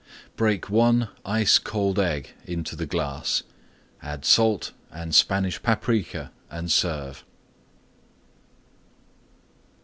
Break one Ice Cold Egg into glass. Add salt and Spanish Paprica and serve.